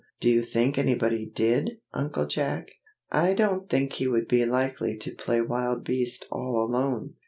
Do you think anybody did, Uncle Jack?" "I don't think he would be likely to play wild beast all alone.